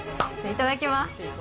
いただきます。